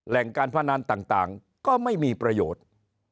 แหล่งการพนันต่างก็ไม่มีประโยชน์